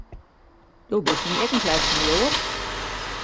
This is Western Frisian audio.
Do bist my ek in kletsmajoar.